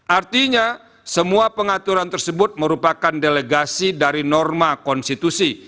artinya semua pengaturan tersebut merupakan delegasi dari norma konstitusi